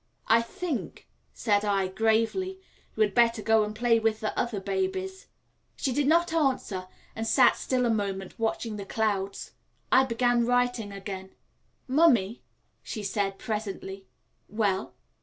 "I think," said I, gravely, "you had better go and play with the other babies." She did not answer, and sat still a moment watching the clouds. I began writing again. "Mummy," she said presently. "Well?"